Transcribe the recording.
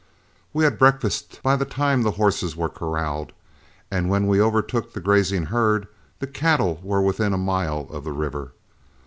We had breakfasted by the time the horses were corralled, and when we overtook the grazing herd, the cattle were within a mile of the river.